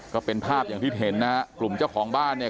ก็เป็นภาพอย่างที่เห็นนะฮะกลุ่มเจ้าของบ้านเนี่ย